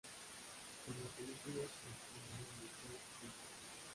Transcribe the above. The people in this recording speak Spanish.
En la película actuó al lado de Kate Winslet.